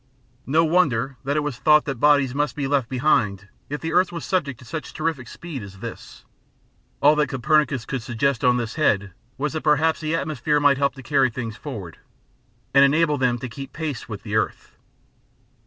No wonder that it was thought that bodies must be left behind if the earth was subject to such terrific speed as this. All that Copernicus could suggest on this head was that perhaps the atmosphere might help to carry things forward, and enable them to keep pace with the earth.